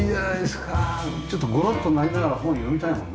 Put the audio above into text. ちょっとごろっとなりながら本読みたいもんね。